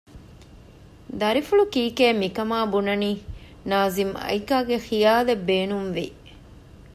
ދަރިފުޅު ކީކޭ މިކަމާ ބުނަނީ؟ ނާޒިމް އައިކާގެ ޚިޔާލެއް ބޭނުންވި